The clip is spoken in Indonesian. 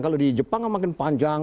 kalau di jepang kan makin panjang